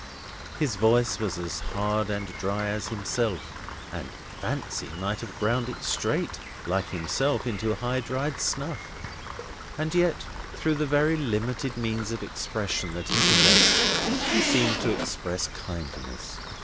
His voice was as hard and dry as himself, and Fancy might have ground it straight, like himself, into high dried snuff. And yet, through the very limited means of expression that he possessed, he seemed to express kindness.